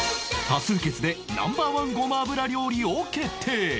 多数決で Ｎｏ．１ ごま油料理を決定